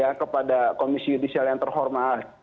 ya kepada komisi yudisial yang terhormat